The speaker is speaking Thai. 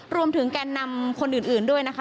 แกนนำคนอื่นด้วยนะคะ